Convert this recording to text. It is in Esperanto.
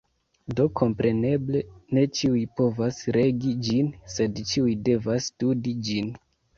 Do kompreneble, ne ĉiuj povas regi ĝin, sed ĉiuj devas studi ĝin.